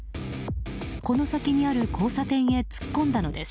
この先にある交差点へ突っ込んだのです。